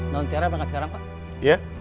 nanti tiara berangkat sekarang pak iya